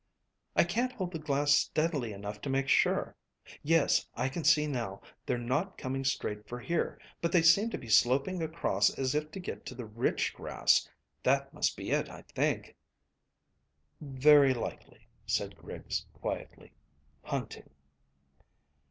"I can't hold the glass steadily enough to make sure. Yes, I can see now; they're not coming straight for here, but they seem to be sloping across as if to get to the rich grass. That must be it, I think." "Very likely," said Griggs quietly. "Hunting."